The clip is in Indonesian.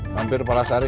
mampir pak lasari